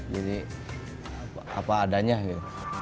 jadi apa adanya gitu